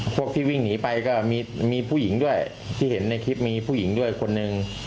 พวกที่วิ่งหนีไปก็มีผู้หญิงด้วยที่เห็นในคลิปมีผู้หญิงด้วยคนหนึ่ง